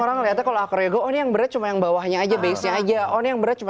orang lihat kalau akroyoga oh yang berat cuma yang bawahnya aja base aja oh yang berat cuma